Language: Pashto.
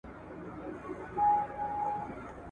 ته ښکلی یوسف یې لا په مصر کي بازار لرې ,